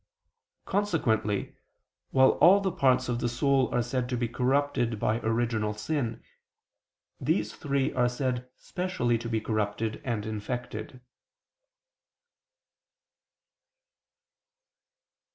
Consequently, while all the parts of the soul are said to be corrupted by original sin, these three are said specially to be corrupted and infected.